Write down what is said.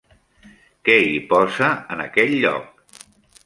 Què hi posa en aquell lloc?